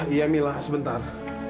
iya mila sebentar